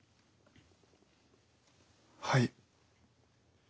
はい。